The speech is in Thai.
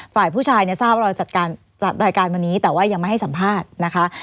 ฝ่ายผู้ชายเนี่ยทราบว่าเราจัดรายการวันนี้แต่ว่ายังไม่ให้สัมภาษณ์นะคะ